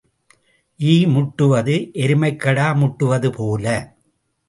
ஈ முட்டுவது எருமைக்கடா முட்டுவது போல.